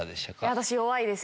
私弱いですね。